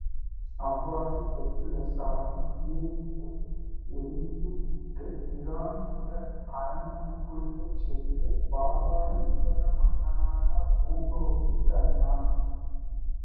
அவ்வாறே ஹெர்க்குலிஸ் அவனைக் கீழே எறிந்துவிட்டு, இராணியுடன் அரண்மனைக்குள்ளே சென்று, பாதாள உலக மன்னனான புளுட்டோவைக் கண்டான்.